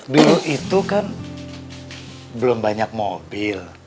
dulu itu kan belum banyak mobil